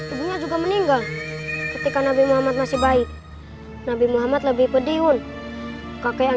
ibunya juga meninggal ketika nabi muhammad masih baik nabi muhammad lebih pediun kakek yang